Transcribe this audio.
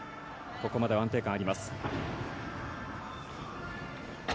ここまで安定感があります。